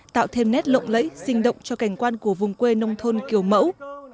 tạo thêm nét lộng lẫy sinh động cho cảnh quan của vùng quê nông thôn kiểu mẫu